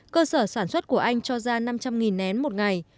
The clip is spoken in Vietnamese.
cơ sở sản xuất của anh cho ra năm trăm linh nén một ngày